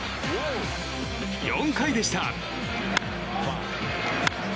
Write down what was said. ４回でした。